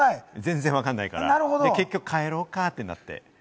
全然わからないから、結局帰ろうかってなって。